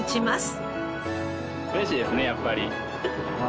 嬉しいですねやっぱり。